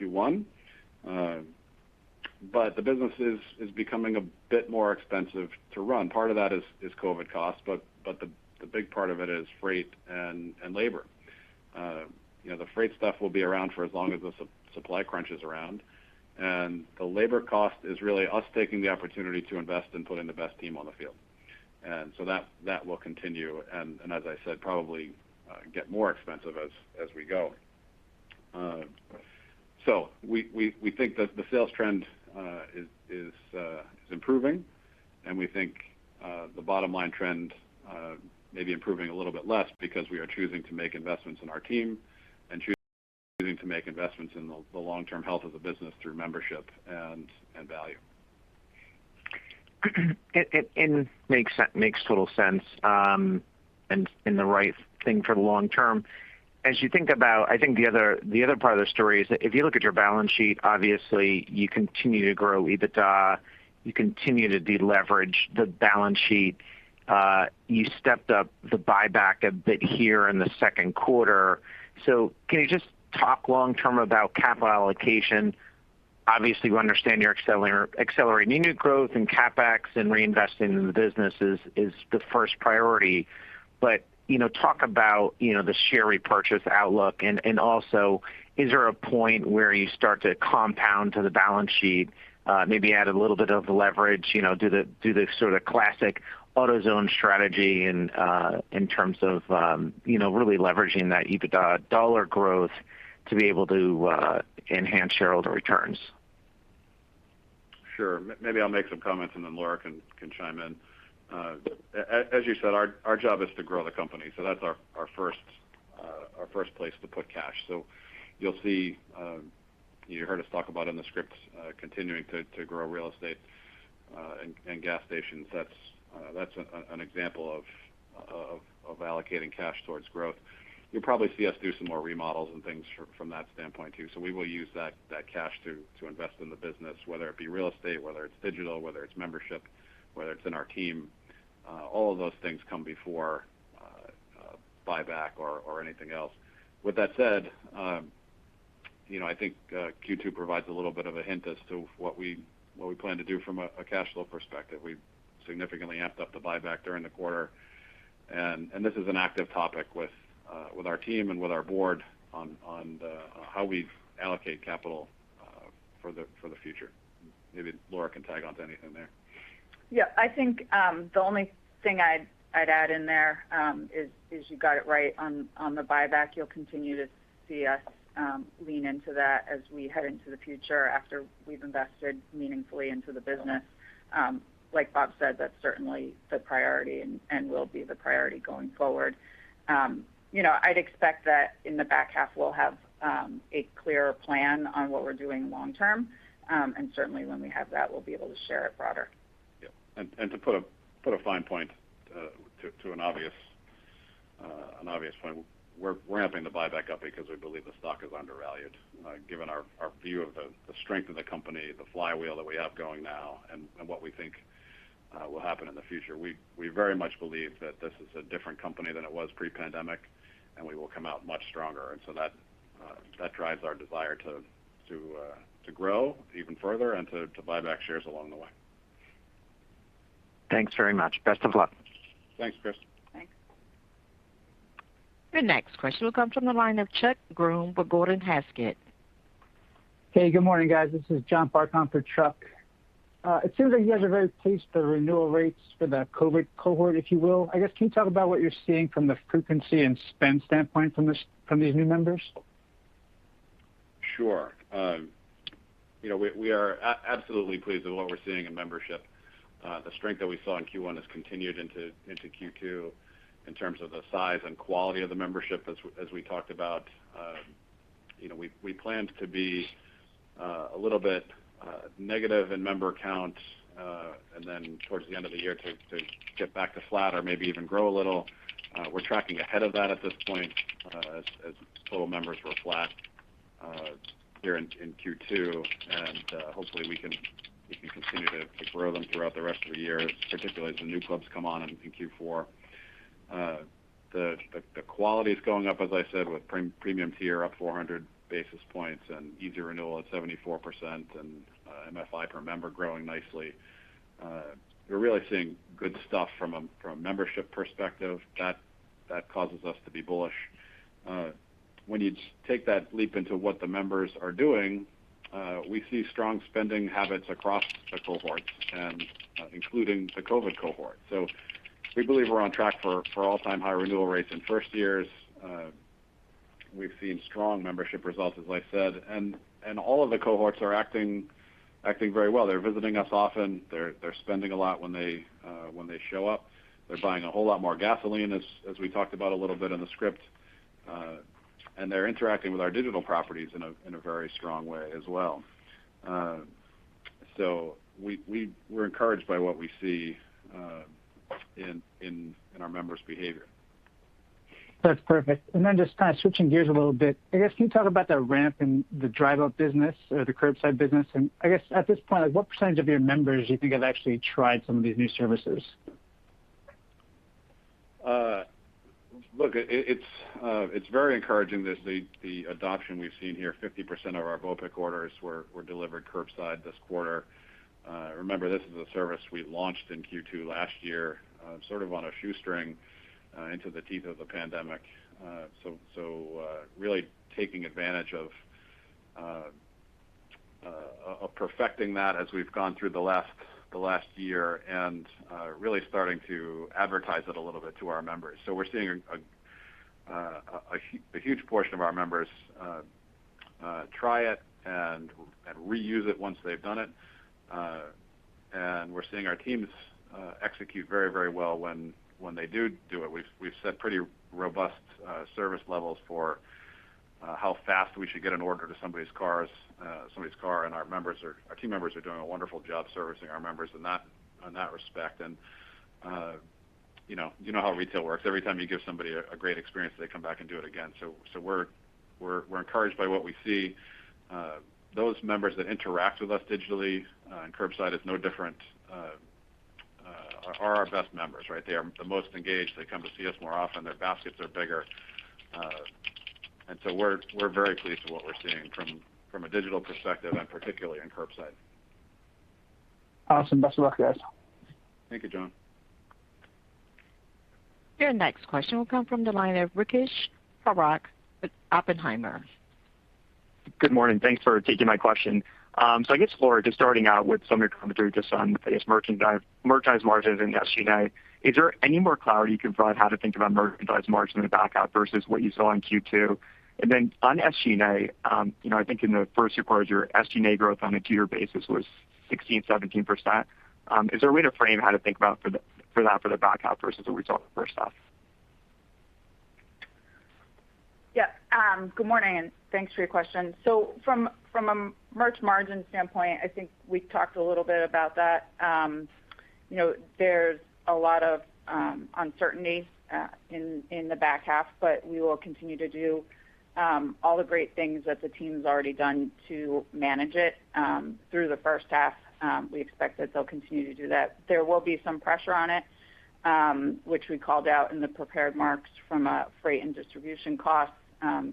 Q1. The business is becoming a bit more expensive to run. Part of that is COVID costs, but the big part of it is freight and labor. The freight stuff will be around for as long as the supply crunch is around, and the labor cost is really us taking the opportunity to invest in putting the best team on the field. That will continue, and as I said, probably get more expensive as we go. We think that the sales trend is improving, and we think the bottom line trend may be improving a little bit less because we are choosing to make investments in our team and choosing to make investments in the long-term health of the business through membership and value. It makes total sense, and the right thing for the long term. As you think about, I think the other part of the story is that if you look at your balance sheet, obviously, you continue to grow EBITDA, you continue to deleverage the balance sheet. You stepped up the buyback a bit here in the second quarter. Can you just talk long term about capital allocation? Obviously, we understand you're accelerating unit growth and CapEx and reinvesting in the business is the first priority. Talk about the share repurchase outlook, and also, is there a point where you start to compound to the balance sheet, maybe add a little bit of leverage, do the sort of classic AutoZone strategy in terms of really leveraging that EBITDA dollar growth to be able to enhance shareholder returns? Sure. Maybe I'll make some comments, and then Laura can chime in. As you said, our job is to grow the company, that's our first place to put cash. You'll see, you heard us talk about in the script, continuing to grow real estate and gas stations. That's an example of allocating cash towards growth. You'll probably see us do some more remodels and things from that standpoint, too. We will use that cash to invest in the business, whether it be real estate, whether it's digital, whether it's membership, whether it's in our team. All of those things come before buyback or anything else. With that said, I think Q2 provides a little bit of a hint as to what we plan to do from a cash flow perspective. We significantly amped up the buyback during the quarter, and this is an active topic with our team and with our board on how we allocate capital for the future. Maybe Laura can tag onto anything there. I think the only thing I'd add in there is you got it right on the buyback. You'll continue to see us lean into that as we head into the future after we've invested meaningfully into the business. Like Bob said, that's certainly the priority and will be the priority going forward. I'd expect that in the back half, we'll have a clearer plan on what we're doing long term. Certainly, when we have that, we'll be able to share it broader. To put a fine point to an obvious point, we're ramping the buyback up because we believe the stock is undervalued. Given our view of the strength of the company, the flywheel that we have going now, and what we think will happen in the future, we very much believe that this is a different company than it was pre-pandemic, and we will come out much stronger. That drives our desire to grow even further and to buy back shares along the way. Thanks very much. Best of luck. Thanks, Chris. Thanks. The next question will come from the line of Chuck Grom with Gordon Haskett. Hey, good morning, guys. This is John Parke on for Chuck. It seems like you guys are very pleased with the renewal rates for the COVID cohort, if you will. I guess, can you talk about what you're seeing from the frequency and spend standpoint from these new members? Sure. We are absolutely pleased with what we're seeing in membership. The strength that we saw in Q1 has continued into Q2 in terms of the size and quality of the membership, as we talked about. We planned to be a little bit negative in member count, and then towards the end of the year to get back to flat or maybe even grow a little. We're tracking ahead of that at this point as total members were flat here in Q2, and hopefully we can continue to grow them throughout the rest of the year, particularly as the new clubs come on in Q4. The quality's going up, as I said, with premium tier up 400 basis points and Easy Renewal at 74%, and MFI per member growing nicely. We're really seeing good stuff from a membership perspective. That causes us to be bullish. When you take that leap into what the members are doing, we see strong spending habits across the cohorts, and including the COVID cohort. We believe we're on track for all-time high renewal rates in first years. We've seen strong membership results, as I said. All of the cohorts are acting very well. They're visiting us often. They're spending a lot when they show up. They're buying a whole lot more gasoline, as we talked about a little bit in the script. They're interacting with our digital properties in a very strong way as well. We're encouraged by what we see in our members' behavior. That's perfect. Just kind of switching gears a little bit, I guess, can you talk about the ramp in the drive-up business or the curbside business? I guess at this point, what percent of your members do you think have actually tried some of these new services? Look, it's very encouraging, the adoption we've seen here. 50% of our BOPIC orders were delivered curbside this quarter. Remember, this is a service we launched in Q2 last year, sort of on a shoestring, into the teeth of the pandemic. Really taking advantage of perfecting that as we've gone through the last year, and really starting to advertise it a little bit to our members. We're seeing a huge portion of our members try it and reuse it once they've done it. We're seeing our teams execute very well when they do it. We've set pretty robust service levels for how fast we should get an order to somebody's car, and our team members are doing a wonderful job servicing our members in that respect. You know how retail works. Every time you give somebody a great experience, they come back and do it again. We're encouraged by what we see. Those members that interact with us digitally, and curbside is no different, are our best members. They are the most engaged. They come to see us more often. Their baskets are bigger. We're very pleased with what we're seeing from a digital perspective and particularly on curbside. Awesome. Best of luck, guys. Thank you, John. Your next question will come from the line of Rupesh Parikh with Oppenheimer. Good morning. Thanks for taking my question. I guess, Laura, just starting out with some of your commentary just on, I guess, merchandise margins and SG&A, is there any more clarity you can provide how to think about merchandise margin in the back half versus what you saw in Q2? On SG&A, I think in the first, <audio distortion> your SG&A growth on a two-year basis was, exceed 17%. Is there a way to frame how to think about for that for the back half versus what we saw in the first half? Yes. Good morning, thanks for your question. From a merch margin standpoint, I think we talked a little bit about that. There's a lot of uncertainty in the back half, we will continue to do all the great things that the team's already done to manage it through the first half. We expect that they'll continue to do that. There will be some pressure on it, which we called out in the prepared remarks from freight and distribution costs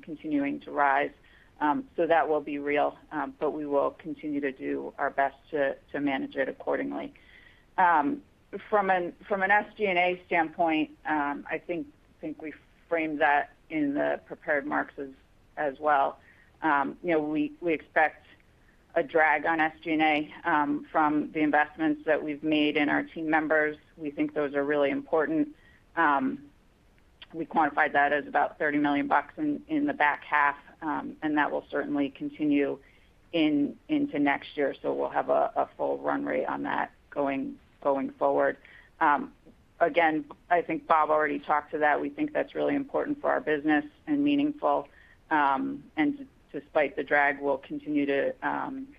continuing to rise. That will be real, but we will continue to do our best to manage it accordingly. From an SG&A standpoint, I think we framed that in the prepared remarks as well. We expect a drag on SG&A from the investments that we've made in our team members. We think those are really important. We quantified that as about $30 million in the back half, and that will certainly continue into next year. We'll have a full run rate on that going forward. Again, I think Bob already talked to that. We think that's really important for our business and meaningful. Despite the drag, we'll continue to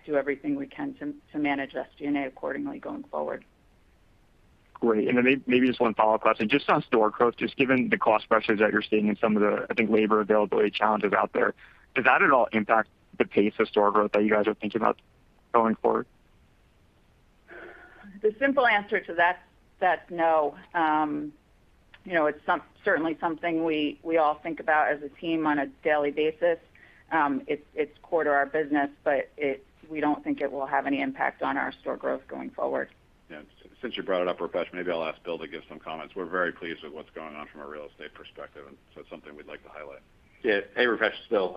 do everything we can to manage SG&A accordingly going forward. Great. Maybe just one follow-up question. Just on store growth, just given the cost pressures that you're seeing and some of the, I think, labor availability challenges out there, does that at all impact the pace of store growth that you guys are thinking about going forward? The simple answer to that's no. It's certainly something we all think about as a team on a daily basis. It's core to our business, but we don't think it will have any impact on our store growth going forward. Yeah. Since you brought it up, Rupesh, maybe I'll ask Bill to give some comments. We're very pleased with what's going on from a real estate perspective, and so it's something we'd like to highlight. Yeah. Hey, Rupesh. Bill.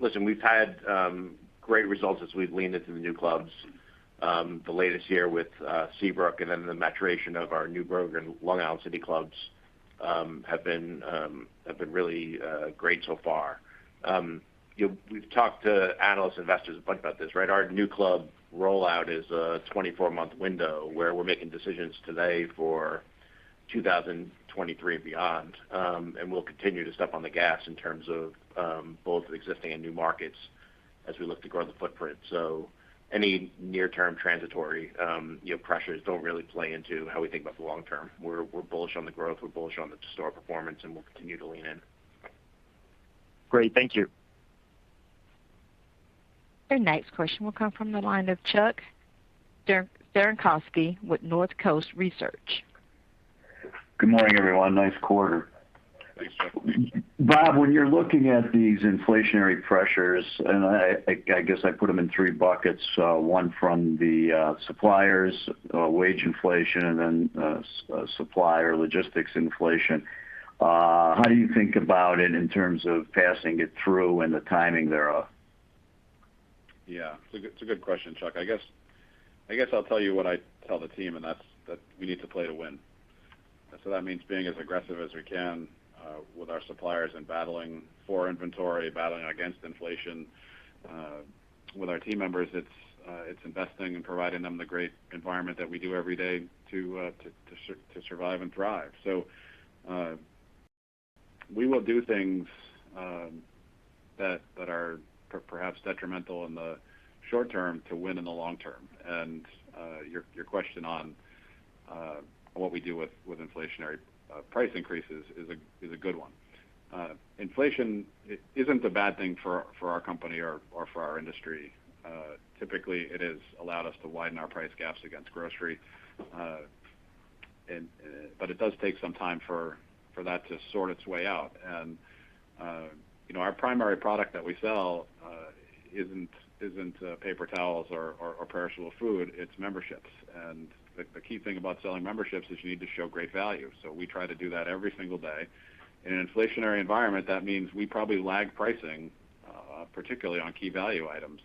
We've had great results as we've leaned into the new clubs. The latest here with Seabrook and then the maturation of our Newburgh, Long Island City clubs have been really great so far. We've talked to analysts, investors a bunch about this. Our new club rollout is a 24-month window where we're making decisions today for 2023 and beyond. We'll continue to step on the gas in terms of both existing and new markets as we look to grow the footprint. Any near-term transitory pressures don't really play into how we think about the long term. We're bullish on the growth, we're bullish on the store performance, and we'll continue to lean in. Great. Thank you. Your next question will come from the line of Chuck Cerankosky with Northcoast Research. Good morning, everyone. Nice quarter. Thanks, Chuck. Bob, when you're looking at these inflationary pressures, and I guess I put them in three buckets, one from the suppliers, wage inflation, and then supplier logistics inflation. How do you think about it in terms of passing it through and the timing thereof? Yeah, it's a good question, Chuck. I guess I'll tell you what I tell the team, and that's that we need to play to win. That means being as aggressive as we can with our suppliers and battling for inventory, battling against inflation. With our team members, it's investing and providing them the great environment that we do every day to survive and thrive. We will do things that are perhaps detrimental in the short term to win in the long term. Your question on what we do with inflationary price increases is a good one. Inflation isn't a bad thing for our company or for our industry. Typically, it has allowed us to widen our price gaps against grocery. It does take some time for that to sort its way out. Our primary product that we sell isn't paper towels or perishable food, it's memberships. The key thing about selling memberships is you need to show great value. We try to do that every single day. In an inflationary environment, that means we probably lag pricing, particularly on key value items,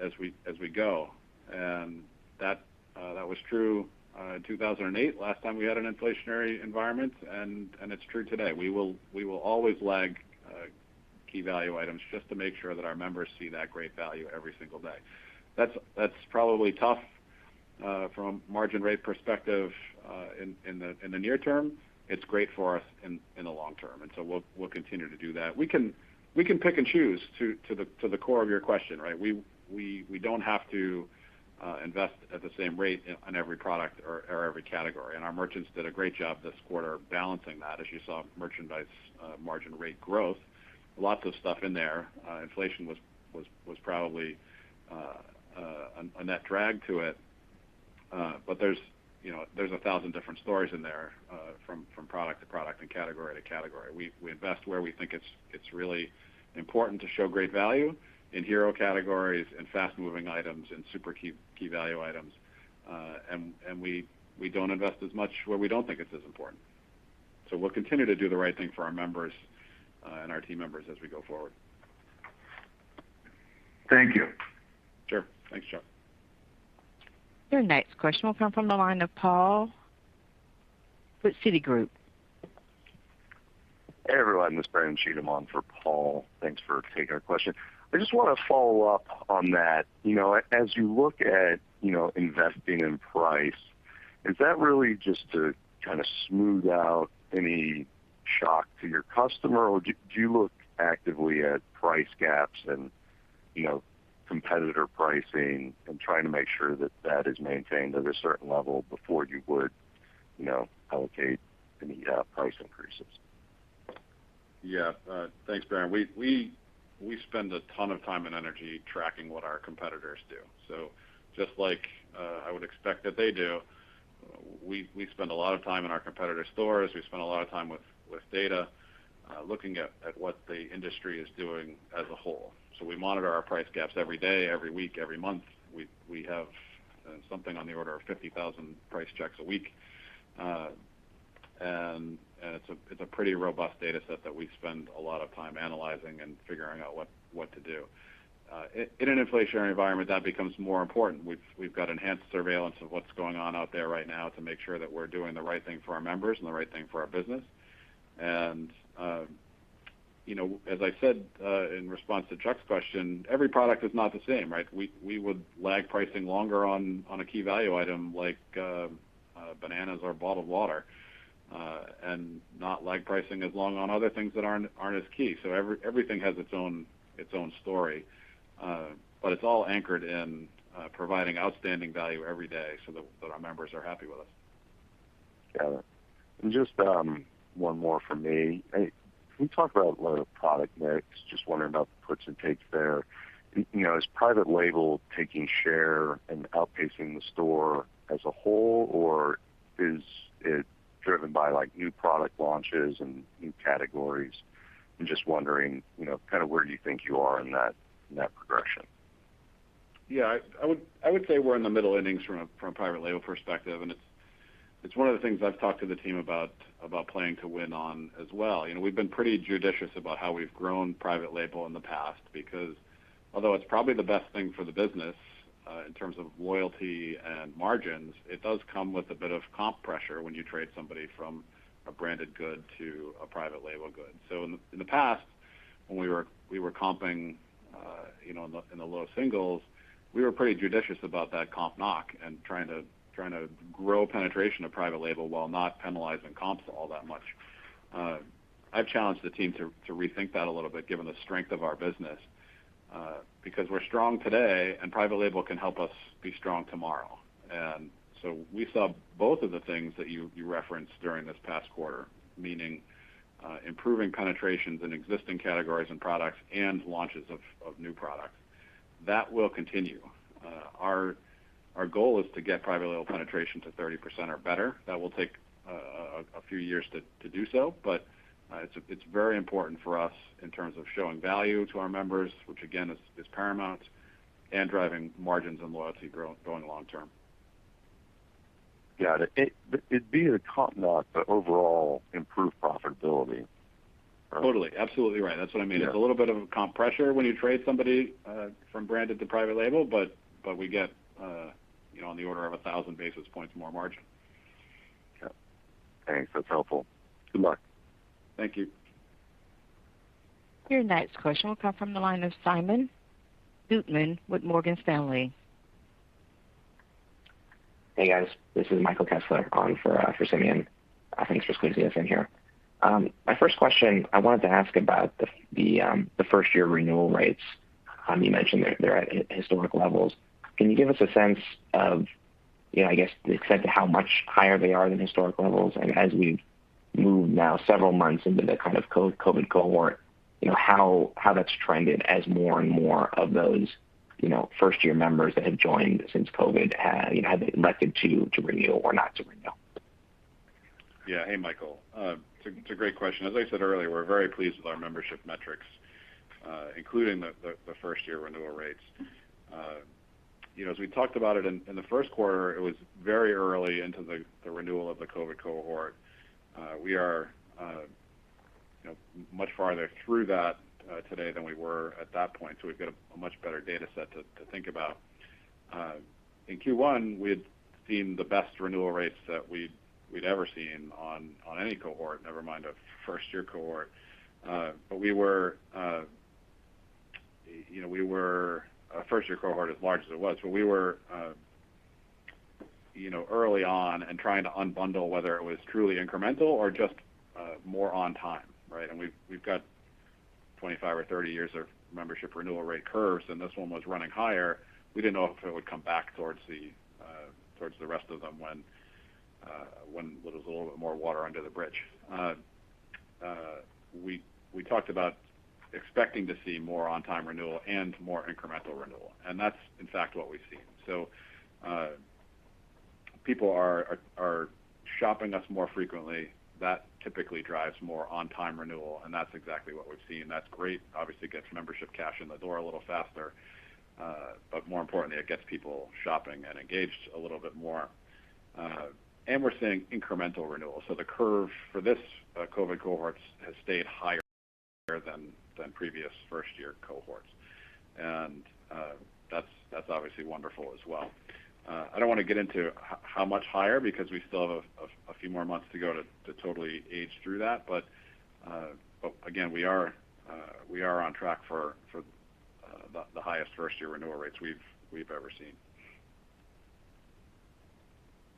as we go. That was true in 2008, last time we had an inflationary environment, and it's true today. We will always lag key value items just to make sure that our members see that great value every single day. That's probably tough from a margin rate perspective in the near term. It's great for us in the long term, we'll continue to do that. We can pick and choose to the core of your question, right? We don't have to invest at the same rate on every product or every category. Our merchants did a great job this quarter balancing that as you saw merchandise margin rate growth, lots of stuff in there. Inflation was probably a net drag to it. There's 1,000 different stories in there from product to product and category to category. We invest where we think it's really important to show great value in hero categories and fast-moving items and super key value items. We don't invest as much where we don't think it's as important. We'll continue to do the right thing for our members and our team members as we go forward. Thank you. Sure. Thanks, Chuck. Your next question will come from the line of Paul with Citigroup. Hey, everyone. This is Brandon Cheatham on for Paul. Thanks for taking our question. I just want to follow up on that. As you look at investing in price, is that really just to kind of smooth out any shock to your customer, or do you look actively at price gaps and competitor pricing and trying to make sure that that is maintained at a certain level before you would allocate any price increases? Yeah. Thanks, Brandon. We spend a ton of time and energy tracking what our competitors do. Just like I would expect that they do, we spend a lot of time in our competitors' stores. We spend a lot of time with data, looking at what the industry is doing as a whole. We monitor our price gaps every day, every week, every month. We have something on the order of 50,000 price checks a week. It's a pretty robust data set that we spend a lot of time analyzing and figuring out what to do. In an inflationary environment, that becomes more important. We've got enhanced surveillance of what's going on out there right now to make sure that we're doing the right thing for our members and the right thing for our business. As I said in response to Chuck's question, every product is not the same, right? We would lag pricing longer on a key value item like bananas or bottled water, and not lag pricing as long on other things that aren't as key. Everything has its own story. It's all anchored in providing outstanding value every day so that our members are happy with us. Got it. Just one more from me. Can you talk about product mix? Just wondering about the puts and takes there. Is private label taking share and outpacing the store as a whole, or is it driven by new product launches and new categories? I'm just wondering, kind of where do you think you are in that progression? Yeah. I would say we're in the middle innings from a private label perspective, and it's one of the things I've talked to the team about playing to win on as well. We've been pretty judicious about how we've grown private label in the past because although it's probably the best thing for the business in terms of loyalty and margins, it does come with a bit of comp pressure when you trade somebody from a branded good to a private label good. In the past, when we were comping in the low singles, we were pretty judicious about that comp knock and trying to grow penetration of private label while not penalizing comps all that much. I've challenged the team to rethink that a little bit, given the strength of our business because we're strong today and private label can help us be strong tomorrow. We saw both of the things that you referenced during this past quarter, meaning improving penetrations in existing categories and products and launches of new products. That will continue. Our goal is to get private label penetration to 30% or better. That will take a few years to do so. It's very important for us in terms of showing value to our members, which again, is paramount, and driving margins and loyalty growing long term. Yeah. It'd be a comp knock, but overall improve profitability, right? Totally. Absolutely right. That's what I mean. Yeah. It's a little bit of a comp pressure when you trade somebody from branded to private label, but we get on the order of 1,000 basis points more margin. Okay. Thanks. That's helpful. Good luck. Thank you. Your next question will come from the line of Simeon Gutman with Morgan Stanley. Hey, guys. This is Michael Kessler on for Simeon. Thanks for squeezing us in here. My first question, I wanted to ask about the first year renewal rates. You mentioned they're at historic levels. Can you give us a sense of, I guess, the extent of how much higher they are than historic levels? As we've moved now several months into the kind of COVID cohort, how that's trended as more and more of those first year members that have joined since COVID, have elected to renew or not to renew? Hey, Michael. It's a great question. As I said earlier, we're very pleased with our membership metrics, including the first year renewal rates. As we talked about it in the first quarter, it was very early into the renewal of the COVID cohort. We are much farther through that today than we were at that point. We've got a much better data set to think about. In Q1, we had seen the best renewal rates that we'd ever seen on any cohort, never mind a first year cohort, as large as it was. We were early on and trying to unbundle whether it was truly incremental or just more on time, right? We've got 25 or 30 years of membership renewal rate curves. This one was running higher. We didn't know if it would come back towards the rest of them when there was a little bit more water under the bridge. That's in fact what we've seen. People are shopping us more frequently. That typically drives more on time renewal, that's exactly what we've seen. That's great. Obviously, it gets membership cash in the door a little faster. More importantly, it gets people shopping and engaged a little bit more. We're seeing incremental renewal. The curve for this COVID cohort has stayed higher than previous first year cohorts. That's obviously wonderful as well. I don't want to get into how much higher, because we still have a few more months to go to totally age through that. Again, we are on track for the highest first year renewal rates we've ever seen.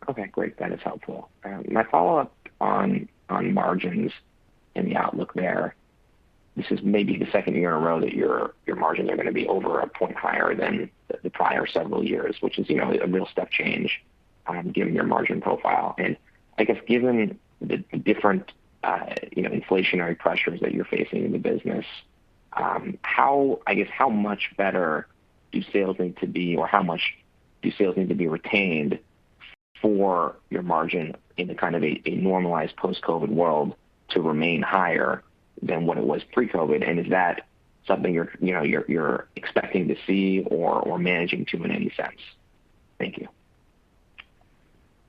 Okay, great. That is helpful. My follow-up on margins and the outlook there, this is maybe the second year in a row that your margins are going to be over a point higher than the prior several years, which is a real step change given your margin profile. I guess, given the different inflationary pressures that you're facing in the business, I guess, how much better do sales need to be, or how much do sales need to be retained for your margin in the kind of a normalized post-COVID world to remain higher than what it was pre-COVID? Is that something you're expecting to see or managing to, in any sense? Thank you.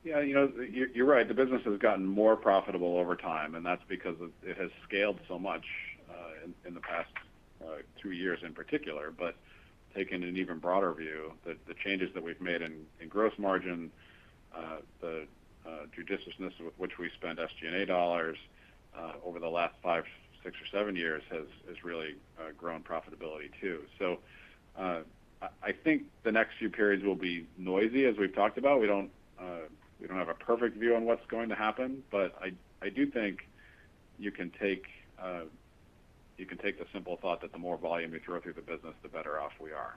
Yeah. You're right. The business has gotten more profitable over time, and that's because it has scaled so much in the past two years in particular. Taking an even broader view, the changes that we've made in gross margin, the judiciousness with which we spend SG&A dollars over the last five, six, or seven years has really grown profitability, too. I think the next few periods will be noisy, as we've talked about. We don't have a perfect view on what's going to happen. I do think you can take the simple thought that the more volume we throw through the business, the better off we are.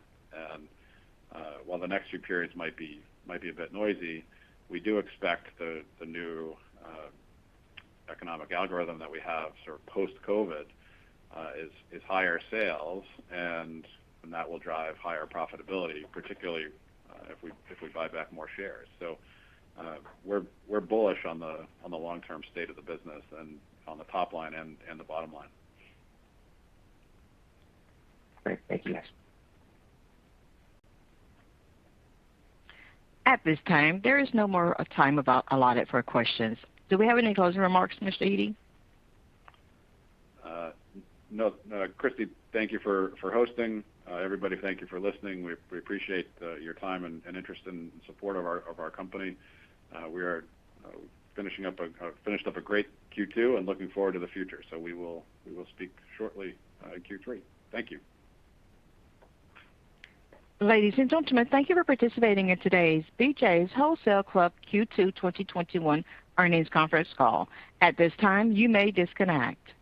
While the next few periods might be a bit noisy, we do expect the new economic algorithm that we have sort of post-COVID is higher sales, and that will drive higher profitability, particularly if we buy back more shares. We're bullish on the long-term state of the business and on the top line and the bottom line. Great. Thank you. At this time, there is no more time allotted for questions. Do we have any closing remarks, Mr. Eddy? No. Christy, thank you for hosting. Everybody, thank you for listening. We appreciate your time and interest and support of our company. We finished up a great Q2 and looking forward to the future. We will speak shortly in Q3. Thank you. Ladies and gentlemen, thank you for participating in today's BJ's Wholesale Club Q2 2021 earnings conference call. At this time, you may disconnect.